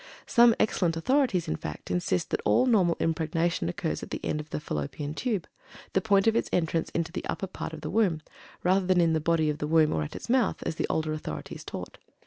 Some excellent authorities, in fact, insist that all normal impregnation occurs at the end of the Fallopian Tube the point of its entrance into the upper part of the womb, rather than in the body of the womb, or at its mouth, as the older authorities taught.